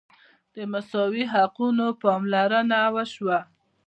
د مساوي حقونو پاملرنه وشوه.